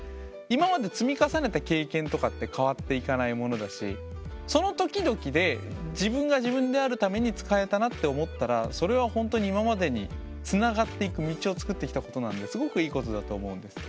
今まで積み重ねた経験とかって変わっていかないものだしその時々で自分が自分であるために使えたなって思ったらそれは本当に今までにつながっていく道をつくってきたことなんですごくいいことだと思うんです。